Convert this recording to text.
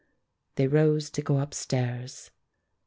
They rose to go up stairs.